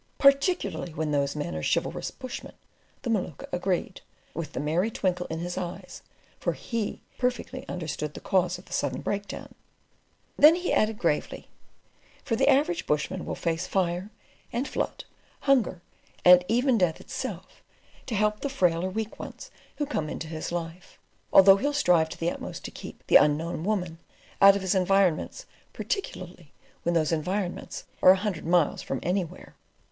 "Particularly when those men are chivalrous bushmen," the Maluka agreed, with the merry twinkle in his eyes; for he perfectly understood the cause of the sudden breakdown. Then he added gravely: "For the average bushman will face fire, and flood, hunger, and even death itself, to help the frail or weak ones who come into his life; although he'll strive to the utmost to keep the Unknown Woman out of his environments particularly when those environments are a hundred miles from anywhere."